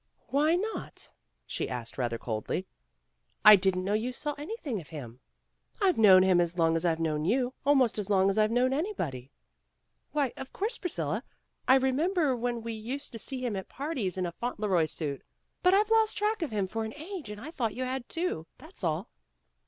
''Why not!" she asked rather coldly. "I didn't know you saw anything of him." "I've known him as long as I've known you almost as long as I've known anybody." "Why, of course, Priscilla. I remember when we used to see him at parties in a Fauntleroy suit. But I've lost track of him for an age and I thought you had, too, that's all."